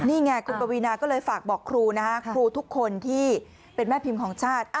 นี่ไงคุณปวีนาก็เลยฝากบอกครูนะคะครูทุกคนที่เป็นแม่พิมพ์ของชาติ